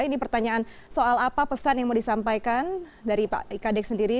ini pertanyaan soal apa pesan yang mau disampaikan dari pak kadek sendiri